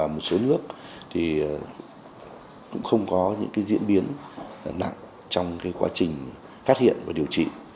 một số nước thì cũng không có những diễn biến nặng trong quá trình phát hiện và điều trị